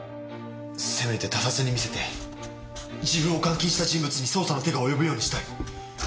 せめて他殺に見せて自分を監禁した人物に捜査の手が及ぶようにしたい。